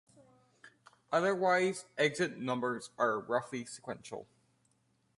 Otherwise, exit numbers are roughly sequential.